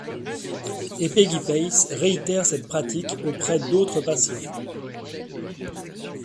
Et Peggy Pace réitère cette pratique auprès d'autres patients.